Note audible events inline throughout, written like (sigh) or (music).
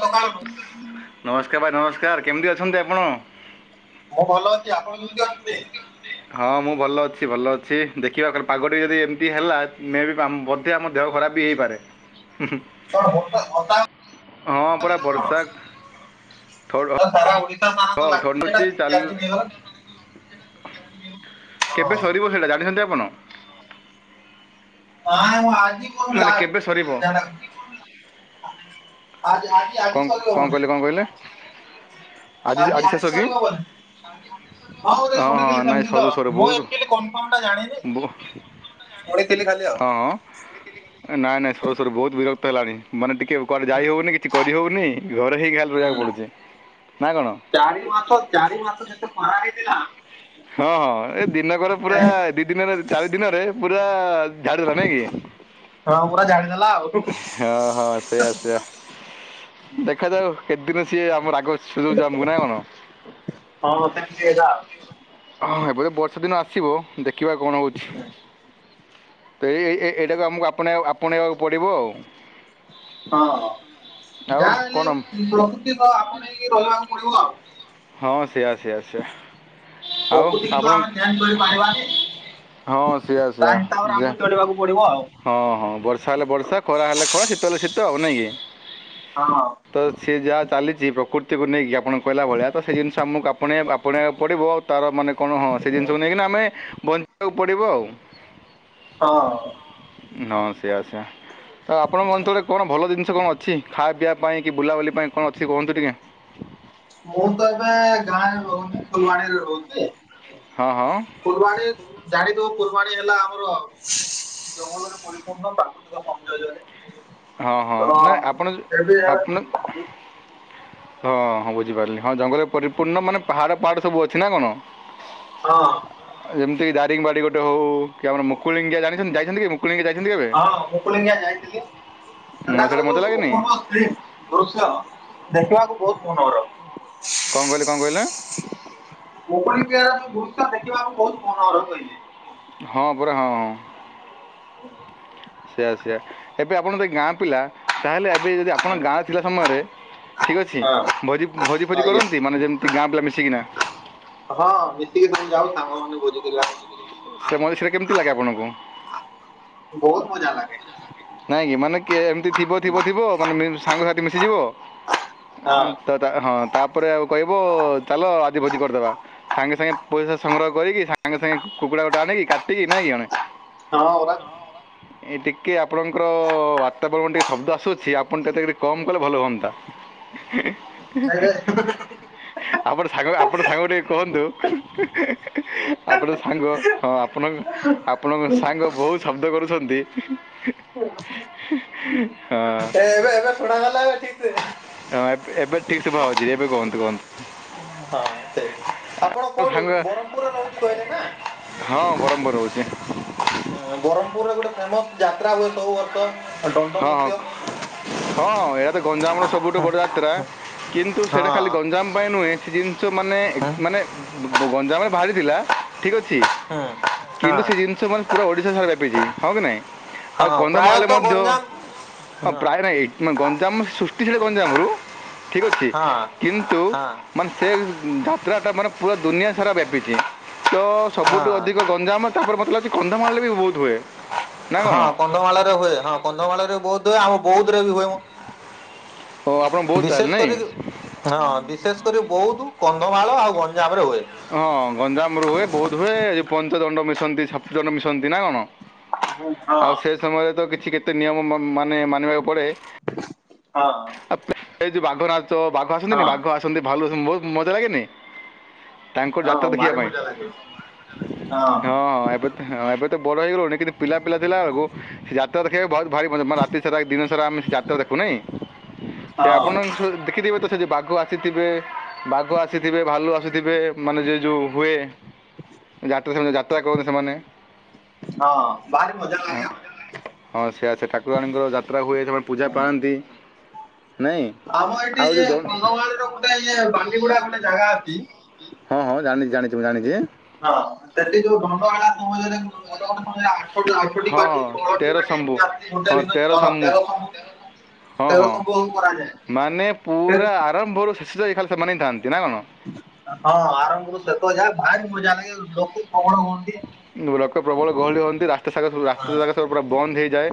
ଦୋକାନକୁ ନମସ୍କାର ଭାଇ ନମସ୍କାର କେମତି ଅଛନ୍ତି ଆପଣ? ମୁଁ ଭଲ ଅଛି। ଆପଣ କେମିତି ଅଛନ୍ତି? ହଁ ମୁଁ ଭଲ ଅଛି ଭଲ ଅଛି ଦେଖିବା କାଲି ପାଗଟି ଯଦି ଏମିତି ହେଲା ମେବି ପା ବ ସେ ଆମ ଦେହ ଖରାପ ବି ହେଇପାରେ ହୁଁ ହୁଁ। (inaudible) ହଁ ପରା ହଉଛି ନା କଣ? ବର୍ଷା ଥୋଡ଼ ସାରା ଓଡିଶା ମାନ ହଁ ଲାଗିଛି ଥଣ୍ଡୁଛି ସେଟା ଦି ଚାଲି ଚାରି ଦିନ ହେଲା। କେବେ ହଁ ସରିବ ସେଇଟା ଜାଣିଛନ୍ତି ଆପଣ? ନାଇଁମ ଆଜିି କାଲି ମାନେ କେବେ ସରିବ (unintelligible) କଣ କଣ କହିଲେ କଣ କହିଲେ? ଆଜି ଆଜି ସରି ହବନି। ହଁ ହ ହଁ ଶୁଣିଥିଲି ନାଇଁ ସେମତି ତ ସରୁ ସରୁ ମୁଁ ବହୁତ ଆଚୁଆଲି କନଫର୍ମ ଟା ଜାଣିନି। ବୋ- ଶୁଣିଥିଲି ଖାଲି ଆଉ। ହଁ ହଁ ନାଇଁ ନାଇଁ ସରି ସରି ବହୁତ ବିରକ୍ତ ହେଲାଣି। ମାନେ ଟିକେ କୁଆଡେ ଯାଇ ହଉନି କି? କିଛି କରିହେଉନି ଘରେ ହେଇକି ଖାଲ୍ ରହିବାକୁ ପଡୁଛି ନା କଣ? ଚାରି ମାସ ଚାରି ମାସ ଯେତେ ଖରା ହେଇଥିଲା। ହଁ ହଁ ଏ ଦିନକର ପୁରା ଦି ଦିନରେ ଚାରି ଦିନରେ ପୁରା ଝାଡିଦଲା ନାଇଁ କି? ହଁ ପୁରା ଝାଡ଼ିଦେଲା ଆଉ। ହଁ ହଁ ସେଇଆ ସେଇଆ ଦେଖାଯାଉ କେତେ ଦିନ ସିଏ ଆମର ରାଗ ସୁଯୋଉଛି ଆମକୁ ନା କଣ? ହଁ (unintelligible) ହଁ ଏବେ ବର୍ଷା ଦିନ ଆସିବ ଦେଖିବା କଣ ହଉଛି। ତ ଏ ଏଇଟାକୁ ଆମକୁ ଆପଣେଇକୁ ଆପଣେଇବାକୁ ପଡ଼ିବ ଆଉ। ହଁ ଆଉ ଯାହାହେଲେ କ'ଣ ପ୍ରକୃତି ତ ଆପଣେଇ ରହିବାକୁ ପଡିବ ଆଉ। ହଁ ସେୟା ସେୟା ସେୟା। ପ୍ରକୃତିକୁ ତ ଆମେ ଚେଞ୍ଜ କରିପାରିବାନି। ହଁ ସେଇଆ ତା ସେଇଆ ହିସାବରେ ଯା- ଆମକୁ ଚଳିବାକୁ ପଡିବ ଆଉ। ହଁ ହଁ ବର୍ଷା ହେଲେ ବର୍ଷା ଖରା ହେଲେ ଖରା ଶୀତ ହେଲେ ଶୀତ ଆଉ ନାଇଁ କି। ହଁଁ। ତ ସିଏ ଯାହା ଚାଲିଛି ପ୍ରକୃତିକୁ ନେଇକି ଆପଣ କହିଲା ଭଳିଆ ତ ସେ ଜିନିଷ ଆମକୁ ଆପ ଆପଣକୁ ପଡ଼ିବ। ଆଉ ତାର ମାନେ କଣ ହଁ ସେ ଜିନିଷକୁ ନେଇକି ଆମେ ବ କୁ ପଡ଼ିବ ଆଉ। ହଁ। ହଁ ସେଇଆ ସେଇଆ ତ ଆପଣଙ୍କ ଅଞ୍ଚଳ କଣ ଭଲ ଜିନିଷ କଣ ଅଛି? ଖାଆ ପିବା ପାଇଁ କି ବୁଲାବୁଲି ପାଇଁ କଣ ଅଛି କୁହନ୍ତୁ ଟିକେ? ମୁଁ ତ ଏବେ ଗାଁରେ ରହୁନି। ଫୁଲବାଣୀରେ ରହୁଛି। ହଁ ହଁ। କୂର୍ବାଣୀ ଜାଣିଥବ କୂର୍ବାଣୀ ହେଲା ଆମର ଜଙ୍ଗଲରେ ପରିପୂର୍ଣ୍ଣ ପା (unintelligible) ହଁ ହଁ ନା ଆପଣ ଆପଣ ଆଜି। ହଁ ହଁ ବୁଝିପାରିଲି। ହଁ ଜଙ୍ଗଲରେ ପରିପୂର୍ଣ୍ଣ ମାନେ ପାହାଡ଼ ପାହାଡ଼ ସବୁ ଅଛି ନା କଣ? ହଁ। ଯେମିତି ଦାରିଙ୍ଗ ବାଡ଼ି ଗୋଟେ ହଉ କି ଆମର ମୁକୁଳିଙ୍ଗିଆ ଜାଣିଛନ୍ତି ଯାଇଛନ୍ତି କି ମୁକୁଳିଙ୍ଗିଆ ଯାଇଛନ୍ତି କେବେ? ମୁଲିଙ୍ଗିଆ ଯାଇଥିଲି। ହଁ, ସେଇଟା ସେଟାଙ୍କର ମଜା ଯୋଉ ଲାଗେନି ଅପୂର୍ବ ଦୃଶ୍ୟ ଦେଖିବାକୁ ବହୁତ ମନୋହର। କଣ କହିଲି କଣ କହିଲେ? ମୁକୁଡିିକିଆର ଯୋଉ ଦୃଶ୍ୟ ଦେଖିବାକୁ ବହୁତ ମନୋହର କହିଲି। ହଁ ପରା ହଁ। (unintelligible) ସେୟା ସେୟା ଏବେ ଆପଣ ଯଦି ଗାଁ ପିଲା ତାହେଲେ ଏବେ ଯଦି ଆ ଆପଣ ଗାଁରେ ଥିଲା ସମୟରେ ଠିକ୍ ଅଛି ହଁ। ଭୋଜି ଭୋଜି ଫୋଜି ଆଜ୍ଞା କରନ୍ତି ମାନେ ଯେମ ଠିକ ଗାଁ ପିଲା ମିଶିକିନା? ହଁ ମିଶିକି ଆମେ ଯାଉ ସାଙ୍ଗମାନେ ଭୋଜି କରିବା ସେ (unintelligible) କେମିତି ଲାଗେ ଆପଣଙ୍କୁ? ବହୁତ ମଜା ଲାଗେ। ନାଇଁ କି ମାନେ କେ- ଏମିତି ଥିବ ଥିବ ଥିବ ମାନେ ମେ- ସାଙ୍ଗସାଥି ମିଶିଯିବ ଏଁ। ତ ତା ହଁ ତାପରେ ଆଉ କହିବ ଚାଲ ଆଜି ଭୋଜି କରିଦବା। ସାଙ୍ଗେ ସାଙ୍ଗେ ପଇସା ସଂଗ୍ରହ କରିକି ସାଙ୍ଗେ ସାଙ୍ଗେ କୁକୁଡ଼ା ଗୋଟେ ଆଣିକି କାଟିକି ନାଇଁ କି ଜଣେ ହଁ ହଁ ପରା। (inaudible) ଏ ଟିକେ ଆ ଆପଣଙ୍କର ବାତାବରଣ ଟିକେ ଶବ୍ଦ ଆସୁଛି ଆପଣ (unintelligible) କମ୍ କଲେ ଭଲ ହୁଅନ୍ତା। ଏ ଆପଣ ସାଙ୍ଗ ଆପଣ ସାଙ୍ଗ କୁ ଟିକେ କୁହନ୍ତୁ, ଆପଣ ସାଙ୍ଗ ହଁ ଆପଣଙ୍କ ଆପଣଙ୍କ ସାଙ୍ଗ ବହୁ ଶବ୍ଦ କରୁଛନ୍ତି। ହଁ ଏ ଏବେ ଏବେ ଶୁଣାଗଲା ନା ଠିକ୍ ସେ? ହଁ ଏବ ଏବେ ଠିକ୍ ଶୁଭା ହଉଛି ଏବେ କୁହନ୍ତୁ କୁହନ୍ତୁ। ହଁ ସେ ଆପଣ ଆପଣଙ୍କ କୋଉଠି ସାଙ୍ଗ ବରମପୁର ରେ ରହୁଛି କହିଲେ ନା? ହଁ ବରମପୁର ରହୁଚି। ହଁ ବରମପୁରରେ ଗୋଟେ ଫେମସ୍ ଯାତ୍ରା ହୁଏ ସବୁ ବର୍ ହଁ ହଁ ତ (unintelligible) (unintelligible) ହଁ ଏହା ତ ଗଞ୍ଜାମର ସବୁଠୁ ବଡ ଯାତ୍ରା, କିନ୍ତୁ ସେଟା ଖାଲି ହଁ ଗଞ୍ଜାମ ପାଇଁ ନୁହେଁ (unintelligible) ସୁ-ମାନେ ଏ ହଁ ମାନେ ବ-ବ- ବଗଞ୍ଜାମ ରେ ବାହାରି ଥିଲା ଠିକ୍ ଅଛି। କିନ୍ତୁ ହଁ। ସେ ଜିନିଷ ମାନେ ପୁରା ଓଡିଶା ସାରା ବ୍ୟାପିଛି ହଁ କି ନାଇଁ? ଆଉ ହଁ କନ୍ଦମାଳଲେ ପ୍ରାୟତଃ ମଧ୍ୟ ଗଞ୍ଜାମ ହଁ ପ୍ରାୟ ନାହିଁ ମା ଗଞ୍ଜାମ ସୃଷ୍ଟି ସେଟା ଗଞ୍ଜାମରୁ। ଠିକ୍ ଅଛି ହଁ କିନ୍ତୁ ହଁ। ମାନେ ସେ ଯାତ୍ରାଟା ମାନେ ପୁରା ଦୁନିଆ ସାରା ବ୍ୟାପିଚି। ତ ସବୁଠୁ ହଁ ଅଧିକ ଗଞ୍ଜାମ ତାପରେ ମୋତେ ଲାଗୁଛି କନ୍ଧମାଳରେ ବି ବହୁତ ହୁଏ। ନା କ'ଣ ହଁ କନ୍ଧମାଳରେ ହୁଏ, ହଁ କନ୍ଧମାଳରେ ବହୁତ ହୁଏ, ଆମ ବୌଦ୍ଧ ରେ ବି ହୁଏ ମ। ଓ ଆପଣ ବହୁତ ତାହେଲେ ବିଶେଷ ନାଇଁ କରିକି ହଁ ବିଶେଷ କରି ବୌଦ୍ଧୁ କନ୍ଧମାଳ ଆଉ ଗଞ୍ଜାମ ରେ ହୁଏ। ହଁ ଗଞ୍ଜାମର ହୁଏ ବୌଦ୍ଧ ହୁଏ, ଏ ପଞ୍ଚ ଦଣ୍ଡ ମିଶନ୍ତି ସାତ ଜନ ମିଶନ୍ତି ନା କଣ? ହଁ ଆଉ ସେ ସମୟରେ ତ କିଛି କେତେ ନିୟମ ମ- ମାନେ ମାନିବାକୁ ପଡ଼େ। ହଁ ଆ ପେ- ସେଇ ଯୋଉ ବାଘ ନାଚ, ବାଘ ଆସନ୍ତିନି? ହଁ ବାଘ ଆସନ୍ତି ଭାଲୁ, ଆସନ୍ତି ବହୁତ୍ ମଜା ଲାଗେନି? ତାଙ୍କ ଜାତ ହଁ ଦେଖିବା ଭାରି ପାଇଁ, ମଜା ଲାଗେ ହଁ ଏବେ ହଁ ଏବେ ତ ବଡ ହେଇଗଲୁଣି କିନ୍ତୁ ପିଲା ପିଲା ଥିଲା ବେଳକୁ ଯାତ୍ରା ଦେଖିବାକୁ ବହୁତ ଭାରି ମଜା ମା ରାତି ସାରା ଏ ଦିନ ସାରା ଆମେ ଯାତ୍ରା ଦେଖୁନାହିଁ? ସେ ହଁ ଆପଣଙ୍କ ସ ଦେଖିଥିବେ ତ ସେ ଯେ ବାଘ ଆସିଥିବେ ବାଘ ଆସିଥିବେ ଭାଲୁ ଆସିଥିବେ। ମାନେ ଯେ ଯୋଉ ହୁଏ ଯାତ୍ରା ସେମାନେ ଯାତ୍ରା କରନ୍ତି ସେମାନେ। ହଁ ଭାରି ମଜା ଲାଗେ ହଁ। ଆଉ। ହଁ ସେ ଆ ସେ ଠାକୁରାଣୀଙ୍କର ଯାତ୍ରା ହୁଏ ସେମାନେ ପୂଜା ହୁଁ ପାଆନ୍ତି ନାଇଁ? ଆମ ଏଠି ଆଉ ଯେ ଯେଉଁ ଦଣ୍ଡ କନ୍ଧମାଳ ର ଗୋଟେ ଆଜ୍ଞା ବାଣ୍ଡିଗୁଡା ଗୋଟେ ଜାଗା ଅଛି। ହଁ ହଁ ଜାଣିଚି ଜାଣିଚି ମୁଁ ଜାଣିଚି। ହଁ ସେଠି ଯୋଉ (inaudible) ହଁ ହଁ ତେର ଶମ୍ଭୁ ହଁ ତେର ଶମ୍ଭୁ ହଁ ହଁ (inaudible) ମାନେ ପୁରା (unintelligible) ଆରମ୍ଭରୁ ଶେଷ ଯାଏଁ ଖାଲି ସୋମାନେ ଇ ଥାନ୍ତି ନା କଣ? ହଁ ଆରମ୍ଭରୁ ଶେଷ ଯାଏ ଭାରି ମଜା ଲାଗେ ଲୋକ ପ୍ରବଳ ହୁଅନ୍ତି। (unintelligible) ଲୋକ ପ୍ରବଳ ଗହଳି ହୁଅନ୍ତି ରାସ୍ତା ସାଗା ସବୁ ହଁ ରାସ୍ତା ଜାଗା ସବୁ ପୁରା ବନ୍ଦ ହେଇଯାଏ।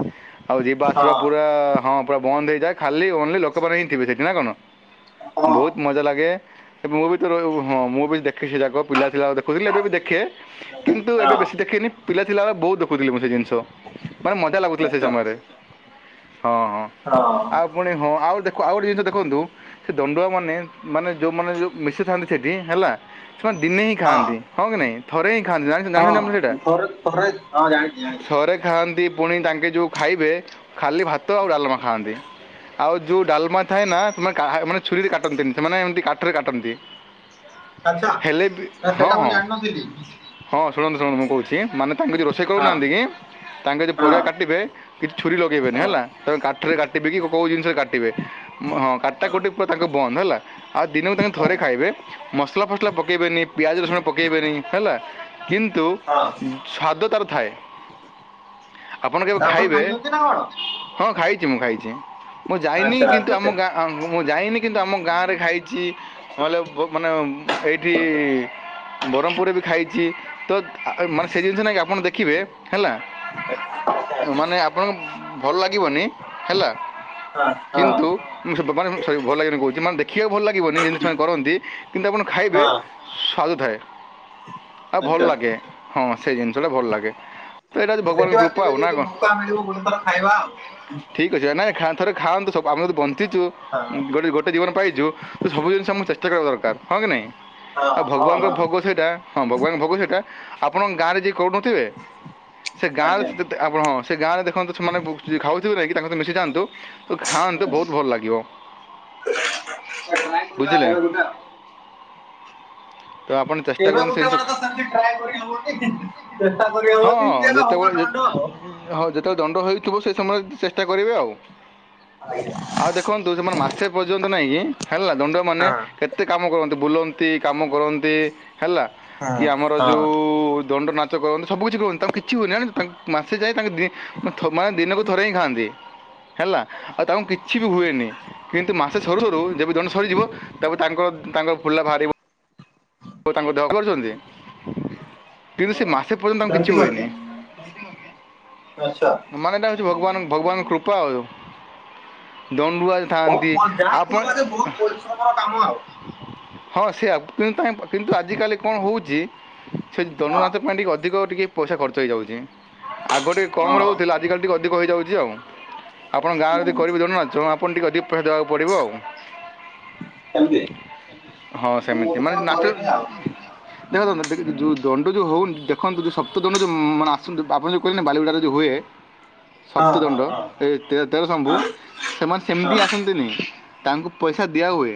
ଆଉ ଯିବା ଆସିବା ହଁ ପୁରା ହଁ ପୁରା ବନ୍ଦ ହେଇଯାଏ ଖାଲି ଓନ୍ଲୀ ଲୋକମାନେ ହିଁ ଥିବେ ସେଠି ନା କଣ? ହଁ ଭୋହୁତ୍ ମଜା ଲାଗେ। ମୁଁ ବି ତ ର ବୁ ହଁ ମୁଁ ବି ଦେଖେ ସେ ଜାଗକ ପିଲା ଥିଲା ବେଳେ ଦେଖୁଥିଲି ଏବେ ବି ଦେଖେ। କିନ୍ତୁ ହଁ ଏବେ ବେଶୀ ଦେଖିନି, ପିଲା ଥିଲାବେଳେ ବହୁତ ଦେଖୁଥିଲି ମୁଁ ସେ ଜିନିଷ। ମାନେ ମଜା ଲାଗୁଥିଲା ସେ ଆଚ୍ଛା ସମୟରେ। ହଁ ହଁ। ଆଉ ହଁ। ପୁଣି ହଁ ଆଉ ଦେଖ ଆଉ ଗୋଟେ ଜିିନିଷ ଦେଖନ୍ତୁ ସେ ଦଣ୍ଡୁଆ ମାନେ, ମାନେ ଯୋଉମାନେ ଯୋଉ ମିଶିଥାନ୍ତି ସେଠି ହେଲା ସେମାନେ ଦିନେ ହିଁ ଖାଆନ୍ତି। ହଁ କି ନାଇଁ? ଥରେ ଖାନ୍ତି, ଜାଣିଚ ହଁ (unintelligible) ସେଇଟା? ଥରେ ଥରେ ହଁ ଜାଣିଛି ଜାଣିଛି ଥାରେ ଖାନ୍ତି। ପୁଣି ତାଙ୍କେ ଯୋଉ ଖାଇବେ, ଖାଲି ଭାତ ଆଉ ଡାଲମା ଖାଆନ୍ତି। ଆଉ ଯୋଉ ଡାଲମା ଥାଏ ନା, ମା କାହା-ମାନେ ଛୁରୀରେ କାଟନ୍ତିନି। ସେମାନେ ଏମିତି କାଠରେ କାଟନ୍ତି। ଆଚ୍ଛା। ହେଲେ ବି ସାର ହଁ ସେଟା ମୁଁ ହଁ ଜାଣିନଥିଲି। ହଁ ଶୁଣନ୍ତୁ ଶୁଣ ମୁଁ କହୁଛି, ମାନେ ତାଙ୍କେ ଯିଏ ରୋଷେଇ ହଁ କରୁନାହାନ୍ତି କି, ତାଙ୍କେ ଯେ ହଁ ପରିବା କାଟିବେ କିନ୍ତୁ ଛୁରୀ ଲଗେଇବେନି ହଁ ହେଲା, ତ କାଠିିରେ କାଟିବେ କି କ-କୋଉ ଜିନିଷରେ କାଟିବେ। ହଁ କାଟା କୋଟି ପୁରା ତାଙ୍କ ବନ୍ଦ ହେଲା। ଆଉ ଦିନକୁ ତାଙ୍କ ହଁ ଥରେ ଖାଇବେ। ମସଲା ଫସଲା ପକେଇବେନି, ପିଆଜ ରସୁଣ ପକେଇବେନି ହେଲା। କିନ୍ତୁ ହଁ ସ୍ୱାଦ ତାର ଥାଏ। ଆପଣ କେବେ ଖାଇବେ? ଖାଇଛନ୍ତି ନା କଣ ହଁ ଖାଇଚି ମୁଁ ଖାଇଚି। ମୁଁ ଯାଇନି ଆଚ୍ଛା କିନ୍ତୁ ଆଚ୍ଛା ଆମ ସେ- ଗାଁ ହଁ ମୁଁ ଯାଇନି କିନ୍ତୁ ଆମ ଗାଁରେ ଖାଇଚି। ନହେଲେ ବ-ମାନେ ଏଇଠି ବରହ୍ମପୁରରେ ବି ଖାଇ ଚି ତ ଆ-ଆ-ମାନେ ସେ ଜିନିଷ ନାହିଁକି ଆପଣ ଦେଖିବେ ହେଲା। ଆଚ୍ଛା ଆଚ୍ଛା ଆଚ୍ଛା। ମାନେ ଆପଣଙ୍କୁ ଭଲ ଲାଗିବନି ହେଲା। ହଁ ହଁ କିନ୍ତୁ ସେ ବ ଭଲ ସରି ଭଲ ଲାଗିବନି କହୁଛି, ମାନେ ଦେଖିବାକୁ ଭଲ ଲାଗିବନି ଯେନ୍ତି ସେମାନେ କରନ୍ତି କିନ୍ତୁ ଆପଣ ଖାଇବେ, ହଁ ସ୍ୱାଦ ଥାଏ। ଆଉ ଭଲ ଆଚ୍ଛା ଲାଗେ, ହଁ ସେଇ ଜିନିଷଟା ଭଲ ଲାଗେ। ତ ଏଇଟା ହେଉଛି ଭଗବାନଙ୍କ ଦେଖିବା କୃପା କେବେ ଆଉ ନା ଯଦି କ'ଣ ମଉକା ମିଳିବ ଗୋଟେ ଥର ଖାଇବା ଆଉ। ଠିକ୍ ଅଛି କାଇଁ ନା ଖା ଥରେ ଖାଆନ୍ତୁ ସବୁ, ଆମେ ଯଦି ବଞ୍ଚିଛୁ ହଁ ଗୋଟେ ଗୋଟେ ଗୋଟେ ଜୀବନ ପାଇଚୁ, ତ ସବୁ ଜିନିଷ ଆମକୁ ଚେଷ୍ଟା କରିବା ଦରକାର। ହଁ କି ନାଇଁ? ଆଉ ହଁ ହଁ ଭଗବାନଙ୍କ ହଁ ଭୋଗ ସେଇଟା ହଁ ଭଗବାନଙ୍କ ଭୋଗ ସେଟା। ଆପଣଙ୍କ ଗାଁରେ ଯିଏ କହୁନଥିବେ? ସେ ଗାଁରେ ଆଜ୍ଞା ସେତେ ଆପଣ ହଁ ସେ ଗାଁରେ ଦେଖନ୍ତୁ ସେମାନେ (unintelligible) ଖାଉଥିବେ ନାହିଁ କି ତାଙ୍କ ସହିତ ମିଶିଯାଆନ୍ତୁ ତ ଖାଆନ୍ତୁ ବହୁତ ଭଲ ଲାଗିବ। ତ ଟ୍ରାଏ କରିବା ବୁଝିଲେ କେବେ ଗୋଟେ ଆଉ। ତ ଆପଣ ଚଷ୍ଟା ଏବେ କରନ୍ତୁ ସେ ଗୋଟେ ଜିନିଷ (unintelligible) ତ ଖା- ସେମିତି ଟ୍ରାଏ କରିହବନି, ଚେଷ୍ଟା ହଁ କରିହବନି, ହଁ ସିଏ ଏବେ ଯେତେବେଳେ ହବ ଯେ- ଦଣ୍ଡ ଆଉ। ହଁ ଯେତେବେଳେ ଦଣ୍ଡ ହେଉଥିବ ସେ ସମୟରେ ଚେଷ୍ଟା କରିବେ ଆଉ। ଆଜ୍ଞା। ଆଉ ଦେଖନ୍ତୁ ସେମାନେ ମାସେ ପର୍ଯ୍ୟନ୍ତ ନାହିଁ କି, ହେଲା ଦଣ୍ଡ ମାନେ କେତେ କାମ କରନ୍ତି। ବୁଲନ୍ତି, କାମ କରନ୍ତି ହେଲା। କି ଆମର ହଁ। ଯୋଉ ଦଣ୍ଡ ନାଚ କରନ୍ତି, ସବୁ କିଛି କରନ୍ତି। ତାଙ୍କୁ କିଛି ହୁଏନି ଆ ତାଙ୍କ ମାସେ ଯାଏ ତାଙ୍କ ଦେ ଥ ମାନେ ଦିନକୁ ଥରେ ହିଁ ଖାଆନ୍ତି ହେଲା। ଆଉ ତାଙ୍କୁ କିଛି ବି ହୁଏନି। କିନ୍ତୁ ମାସେ ସରୁ ସରୁ ଯେବେ ଜଣେ ସରିଯିବ, ତାପରେ ତାଙ୍କ ତାଙ୍କ ଫୁଲା ବାହାରିବ। ଉ ତାଙ୍କ ଦେହ କରୁଛନ୍ତି, କିନ୍ତୁ ସେ ମାସେ ପର୍ଯ୍ୟନ୍ତ ତାଙ୍କୁ କିଛି ସେମିତି ନୁହଁ କି ହୁଏନି। ଆଚ୍ଛା ମାନେ ଏଟା ହଉଛି ଭଗବାନ ଭଗବାନ କୃପା ଆଉ। ଦଣ୍ଡୁଆ ଥାଆନ୍ତି। ବହୁତ ଯାହା ଆପଣ କହିବ ଯେ ବହୁତ ପରିଶ୍ରମର କାମ ଆଉ। ହଁ ସେଇଆ। କିନ୍ତ ତାଙ୍କ ପ କିନ୍ତୁ ଆଜିକାଲି କଣ ହେଉଛି, ସେ ଦଣ୍ଡ ହଁ ନାଚ ପାଇଁ ଟିକେ ଅଧିକ ଟିକେ ପଇସା ଖର୍ଚ୍ଚ ହେଇଯାଉଛି। ଆଗ ଟିକେ କମ୍ ହଁ ରହୁଥିଲା, ଆଜିକାଲି ଟିକେ ଅଧିକ ହେଇଯାଉଛି ଆଉ। ଆପଣଙ୍କ ଗାଁରେ ହୁଁ ଯଦି କରିବେ ଦଣ୍ଡ ନାଚ, ଆପଣ ଟିକେ ଅଧିକ ପଇସା ଦେବାକୁ ପଡ଼ିବ ଆଉ। ସେମିତି ହଁ ମୁଁ ସେମିତି ମାନେ ନା (unintelligible) ଆଉ। ଦେଖନ୍ତୁ ଦେ ଦେଖ ଯ ଯୋ ଦଣ୍ଡ ଯୋଉ ହେଉନି, ଦେ ଦେଖନ୍ତୁ ଯୋଉ ସପ୍ତଦଣ୍ଡ ଯେଉଁ ମାନେ ଆସନ୍ତି, ଆପଣ ଯେଉଁ କହିଲେ ନା ବାଲିଗଢିଆ ରେ ଯେଉଁ ହୁଏ ସପ୍ତ ହଁ ହଁ ଦଣ୍ଡ ହଁ ତେ-ତେର ଶମ୍ଭୁ। ହଁ ସେମାନେ ସେମିତି ହଁ ଆସନ୍ତିନି ତାଙ୍କୁ ପଇସା ଦିଆହୁଏ।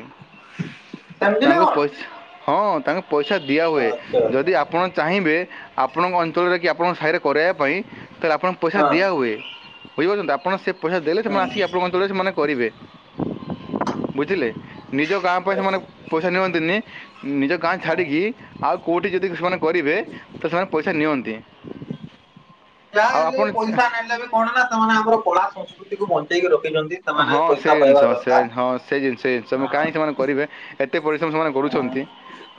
ସେମିତି ନା ତାଙ୍କୁ କଣ ପଇସା ହଁ ତାଙ୍କୁ ପଇସା ଦିଆ ହୁଏ। ଆଚ୍ଛା ଯଦି ଆଚ୍ଛା ଆପଣ ଚାହିଁବେ ଆପଣଙ୍କ ଅଞ୍ଚଳରେ କି ଆପଣଙ୍କ ସାହିରେ କରାଇବା ପାଇଁ ତ ଆପଣ ପଇସା ଦିଆ ହଁ ହୁଏ। ବୁଝିପାରୁଛନ୍ତି ଆପଣ ସେ ପଇସା ଦେଲେ ସେମାନେ ଆସିକି ଆପଣଙ୍କ ତଳେ ସେମାନେ କରିବେ। ବୁଝିଲେ ନିଜ ଗାଁ ପାଇଁ ହଁ। ସେମାନେ ପଇସା ନିଅନ୍ତିନି। ନିଜ ଗାଁ ହଁ। ଛାଡ଼ିକି ଆଉ କେଉଠି ଯଦି ସେମାନେ କରିବେ ତ ସେମାନେ ପଇସା ନିଅନ୍ତି। ଯାହା ଆଉ ହେଲେ ଆପଣ ପଇସା ନେଲେ ବି କଣ ନା ସେମାନେ ଆମର କଳା ସଂସ୍କୃତିକୁୁ ବଞ୍ଚେଇକି ରଖିଛନ୍ତି। ହଁ ସେମାନେ ସେ ପଇସା ଜିନିଷ ପାଇବା ସେ ଦରକାର। ହଁ ସେ ଜିନିଷ ସେ ସବୁ କାହିଁଁ ସେମାନେ କରିବେ ଏତେ ପରିଶ୍ରମ ସେମାନେ ହଁ କରୁଛନ୍ତି।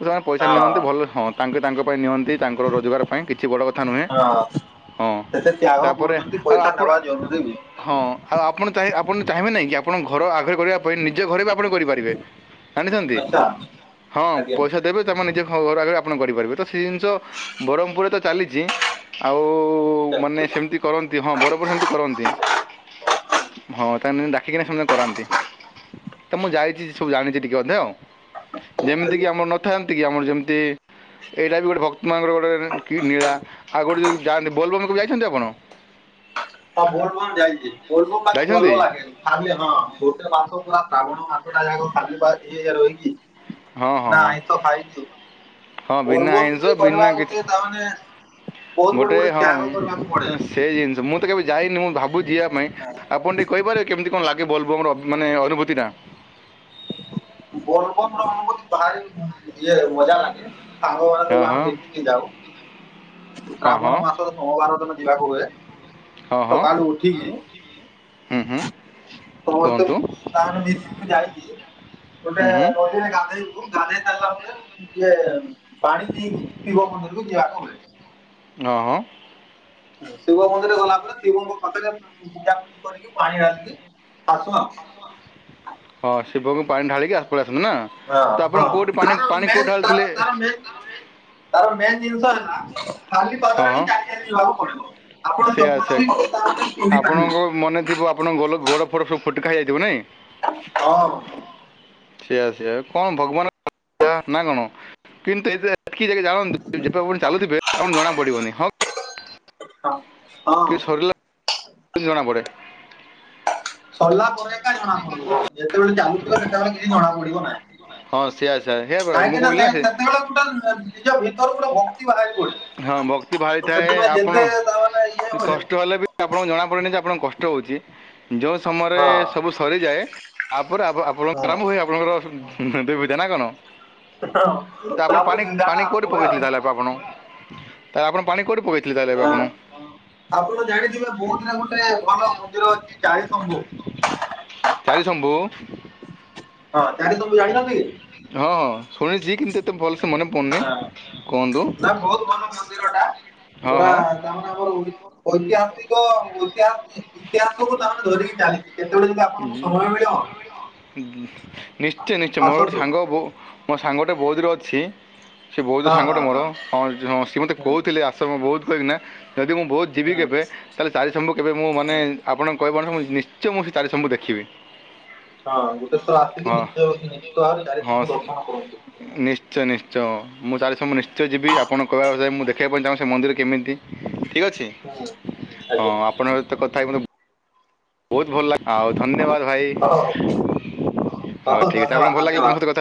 ସେମାନେ ପଇସା ହଁ ନିଅନ୍ତି ଭଲ ହଁ ତାଙ୍କ ତାଙ୍କ ପାଇଁ ନିଅନ୍ତି ତାଙ୍କର ରୋଜଗାର ପାଇଁ କିଛି ବଡ଼ କଥା କଥା ନୁହେଁ ହଁ ହଁ ସେତେ ତ୍ୟାଗ ତାପରେ କରୁଛନ୍ତି ଆଉ ପଇସା ଆପଣ ନେବା ଜରୁରୀ ବି। ହଁ ଆଉ ଆପଣ ଚାହିଁ ଆପଣ ଚାହିଁବେ ନାହିଁ କି ଆପଣଙ୍କ ଘର ଆଗରେ କରିବା ପାଇଁ ନିଜ ଘରେ ବି ଆପଣ କରିପାରିବେ ଜାଣିଛନ୍ତି। ଆଚ୍ଛା ହଁ ଆଜ୍ଞା ପଇସା ଦେବେ ତାମ ନିଜେ ଘର ଆଗରେ ଆପଣ କରିପାରିବେ ତ ସେ ଜିନିଷ ବରମପୁରରେ ତ ଚାଲିଛି। ଆଉ ମାନେ ସେମିତି କରନ୍ତି ହଁ ବରପର ସେମିତି କରନ୍ତି। ହଁ ତା ହେଲେ ଡାକିକିନା ସେ କରାନ୍ତି ତ ମୁଁ ଯାଇଛି ସବୁ ଜାଣିଛି ଟିକେ ଅଧେଆଉ। ଯେମିତି କି ଆଜ୍ଞା। ଆମର ନଥାନ୍ତି କି ଆମର ଯେମିତି ଏଇଟା ବି ଗୋଟେ ଭକ୍ତମାନଙ୍କର ଗୋଟେ କି ନୀଳା ଆଉ ଗୋଟେ ଯଉଁ ଯାଆନ୍ତି ବୋଲବମ କେବେ ଯାଇଛନ୍ତି ଆପଣ? ହଁ ଯାଇଛି ପର୍ବ ପାଖେ ଭଲ ଯାଇଛନ୍ତି ଲାଗେନି। ଖାଲି ହଁ ଗୋଟେ ମାସ ପୁରା ଶ୍ରାବଣ ମାସ ଟା ଯାକ ଖାଲି ବା ଇଏ ଇଏ ରହିକି। ହଁ ହଁ ନା ଏଇଁ ତ ଖାଇନି ହଁ ବିନା ବୋଲବମ୍ ଆଇଁଷ ବି କରିବା ବିନା ଗୋଟେ। କିଛି ତାହାନେ (inaudible) ଗୋଟେ ହଁ ସେ ଜିନିଷ ମୁଁ କେବେ ଯାଇନି ମୁଁ ଭାବୁ ଯିବା ପାଇଁ ପଡେ। ଆପଣ ଟିକେ କହିପାରିବେ କେମିତି କଣ ଲାଗେ ବୋଲବମ ର ମାନେ ଅନୁଭୂତିଟା? ବୋଲବମ୍ ଅନୁଭୂତି ଭାରି ଇଏ ମଜା ଲାଗେ ସାଙ୍ଗ ମାନେ ଆମେ ହଁ ସବୁ ହଁ ମିଶିକି ଯାଉ। ହଁ ଶ୍ରାବଣ ହଁ ମାସର ସୋମବାର ଦିନ ଯିବାକୁ ହୁଏ ହଁ ହଁ ସକାଳୁ ଉଠିକି। ହୁଁ ହୁଁ। ସମସ୍ତେ କୁହନ୍ତୁ ତାହଲେ ମିଶିକି ଯାଇକି ଗୋଟେ ହୁଁ ହୁଁ ନଦୀରେ ଗାଧୋଇବୁ ଗାଧୋଇ ସାରିଲା ପରେ। ଇଏ ପାଣି ନେଇକି ଶିବ ମନ୍ଦିରକୁ ଯିବାକୁ ହୁଏ। ହଁ ହଁ। ଶିବ ମନ୍ଦିର ଗଲା ପରେ ଶିବଙ୍କ ପାଖରେ ପୂଜାପୂଜି କରିକି ପାଣି ଡାଲିକି ଆସୁ ଆଉ। ହଁ ଶିବଙ୍କୁ ପାଣି ଢାଳିକି ପଳି ଆସନ୍ତୁ ନା। ହଁ ତ ଆପଣ ହଁ କେଉଁଠି ପାଣି ତାର ପାଣି ମେନ କେଉଁଠି ତାର ଢାଳିଥିଲେ ତାର ମେନ ତାର ମେନ ଜିନିଷ ହେଲା ଖାଲି ହଁ ପଦରେ ହଁ ହିଁ ଚାଲି ଚାଲି ଯିବାକୁ ପଡିବ। ଆପଣ ଚପଣ ବି (inaudible) ତା ରପାରିବେ। ମନେଥିବ ଆପଣ ଗୋଲ ଗୋଡ଼ ଫୋଡ଼ ସବୁ ଫଟକା ହଇଯାଇଥିବ ନାହିଁ। ହଁ। ସେଇଆ ସେଆ କଣ ଭଗବାନ ନା କଣ କିନ୍ତୁ ଏ ଆଟକି ଜାଗ ଜଣନ୍ତୁ ଚାଲୁିବ ଜଣା ପିବନି ହଉ ହଁ ହଁ। କିଛି ଜଣା ପଡେନି। ସରିଲା ପରେ ଏକା ଜଣା ପଡ଼ିବ ଯେତେବେଳେ ଚାଲୁଥିବେ ସେତେବେଳେ କିଛି ଜଣା ପଡିବ ହଁ ସେଇଆ ସେଇଆ ସେଇଆ ନାହିଁ। ପରା ମୁଁ କାହିଁକି ନା କହିଲି ସେ ସେତେବେଳେ ଟୋଟାଲ ନିଜ ଭିତରୁ ଗୋଟେ ଭକ୍ତି ବାହାରି ପଡେ। ହଁ ଭକ୍ତି ତ ଭାରିଥାଏ ସେଥିପାଇଁ ଆପଣ ଯେତେ ତା ମାନେ ଇଏ ହୁଏ କଷ୍ଟ ହେଲେ ବି ଆପଣଙ୍କୁ ଜଣାପଡେନି ଯେ ଆପଣଙ୍କୁ କଷ୍ଟ ହଉଛି ଯେଉଁ ସମୟରେ ହଁ ସବୁ ସରିଯାଏ ତାପରେ ଆପଣଙ୍କ ହଁ ଆରମ୍ଭ ହୁଏ ଆପଣଙ୍କର ବେବିଧା ନା କଣ? ତା ଆପଣ ତାପରେ ପାଣି ଧିନ୍ଦାଟା ପାଣି ଆରମ୍ଭ କୋଉଠି ହୁଏ ଆଉ। ପକଉଥିଲେ ତାହେଲେ ଆପଣ ତା ହେଲେ ଆପଣ ପାଣି କଉଠି ପକେଇଥିଲେ? (unintelligible) ଆପଣ। ଆପଣ ଜାଣିଥିବେ ବହୁତଦିନର ଗୋଟେ ଭଲ ମନ୍ଦିର ଅଛି କାଳିଶମ୍ଭୁ। କାଳିଶମ୍ଭୁ। ହଁ କାଳିଶମ୍ଭୁ ଜାଣିିଛନ୍ତି। ହଁ ଶୁଣିଛି କିନ୍ତୁ ଏତେ ଭଲ ସେ ମନେ ପଡୁନି ହଁ। କୁହନ୍ତୁ ନା ବହୁତ ଭଲ ମନ୍ଦିର ଟା। ହଁ ପୁରା ହଁ। ତାମାନେ ଆମର ଐତିହାସିକ ଐତିହାସ ଇତିହାସକୁୁ ତାହେଲେ ଧରିକି ଚାଲିଛି। କେତେବେଳେ ଯଦି ଆ ନିଶ୍ଚୟ ନିଶ୍ଚୟ ମୋର ଗୋଟେ ଆସନ୍ତୁ। ସାଙ୍ଗ ବ ମୋ ସାଙ୍ଗଟେ ବୌଦ୍ଧରେ ଅଛି ସେ ବୌଦ୍ଧ ହଁ ସାଙ୍ଗଟେ ହଁ ମୋର ହଁ ସିଏ ମୋତେ ହୁଁ କହୁଥିଲେ ଆ ସମୟ ବହୁତ କିନା ଯଦି ମୁଁ ବୌଦ୍ଧ ଯିବି ହୁଁ କେବେ ତାହେଲେ କାଳିଶମ୍ଭୁ କେବେ ମୁଁ ମାନେ ହୁଁ। ଆପଣଙ୍କ କହିବା ଅନୁସାର ମୁଁ ନିଶ୍ଚୟ ମୁଁ ସେ କାଳିଶମ୍ଭୁ ଦେଖିବି। ହଁ ଗୋଟେ ଥର ଆସିକି ହଁ ନିଶ୍ଚୟ ନିଶ୍ଚିତ ଭାବରେ ହଁ କାଳିଶମ୍ଭୁ ଦର୍ଶନ କରନ୍ତୁ। ନିଶ୍ଚୟ ନିଶ୍ଚୟ ମୁଁ ଚାରିଶମ୍ଭୁ ନିଶ୍ଚୟ ଯିବି ଆପଣ କହିବା ଅନୁସାର ମୁଁ ଦେଖିବାକୁ ପାଇଁ ଚାହୁଁଚି ସେ ମନ୍ଦିର କେମିତି ଠିକ ଅଛି ହୁଁ ହଁ ଆଜ୍ଞା ଆପଣଙ୍କ ସାହିତ କଥା ହେଇ ମତେ ବ ବହୁତ ଭଲ ଆଉ ଧନ୍ୟବାଦ ହଉ ଭାଇ ହଉ ଠିକ ଆପଣ ଭଲ ଲାଗିଲା ତ ମୋ ସହିତ କଥା